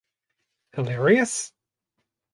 Hilarious?